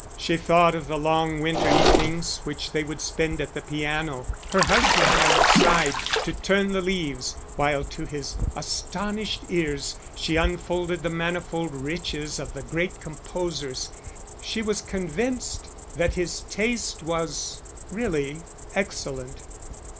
She thought of the long winter evenings which they would spend at the piano, her husband by her side to turn the leaves, while to his astonished ears she unfolded the manifold riches of the great composers. She was convinced that his taste was really excellent.